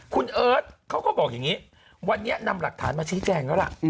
คุณเอิร์ทเขาก็บอกอย่างนี้วันนี้นำหลักฐานมาชี้แจงแล้วล่ะ